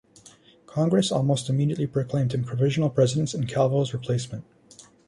Congress almost immediately proclaimed him Provisional President in Calvo's replacement.